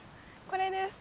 これです。